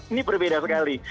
ini berbeda sekali